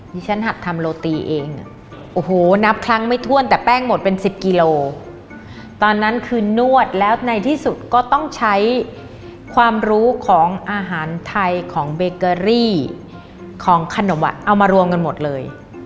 ที่ฉันหัดทำโรตีเองโอ้โหนับครั้งไม่ถ้วนแต่แป้งหมดเป็นสิบกิโลตอนนั้นคือนวดแล้วในที่สุดก็ต้องใช้ความรู้ของอาหารไทยของเบเกอรี่ของขนมอ่ะเอามารวมกันหมดเลย